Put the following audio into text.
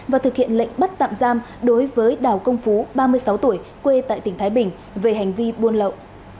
và thực hiện lệnh bắt tạm giam đối với đào công phú ba mươi sáu tuổi quê tại tỉnh thái bình về hành vi buôn lậu